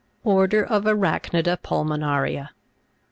ORDER OF ARACH'NIDA PULMONA'RIA.